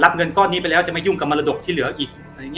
เงินก้อนนี้ไปแล้วจะไม่ยุ่งกับมรดกที่เหลืออีก